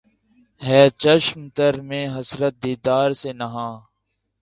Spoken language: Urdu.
ھے چشم تر میں حسرت دیدار سے نہاں